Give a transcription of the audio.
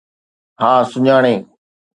ها، سڃاڻي.